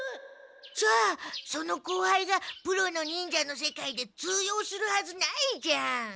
じゃあその後輩がプロの忍者の世界で通用するはずないじゃん！